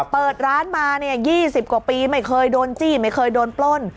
เปิดร้านมา๒๐กว่าปีไม่เคยโดนจี้ไม่เคยโดนปล้น